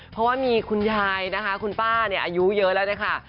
เพราะว่ามีคุณยายคุณป้าอายุเยอะแล้ว